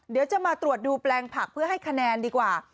เดี๋ยวจะมาตรวจดูแปลงผักเพื่อให้คะแนนดีกว่า